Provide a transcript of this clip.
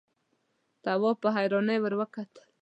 تواب په حيرانۍ ور وکتل.